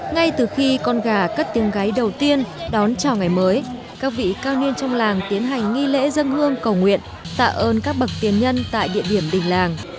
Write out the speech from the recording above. ngay từ khi con gà cất tiếng gáy đầu tiên đón chào ngày mới các vị cao niên trong làng tiến hành nghi lễ dân hương cầu nguyện tạ ơn các bậc tiền nhân tại địa điểm đỉnh làng